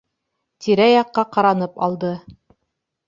Тирә-яҡҡа ҡаранып алды.